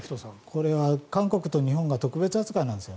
これは韓国と日本が特別扱いなんです。